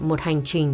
một hành trình